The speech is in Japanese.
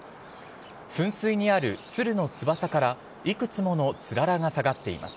噴水にある鶴の翼から、いくつものつららが下がっています。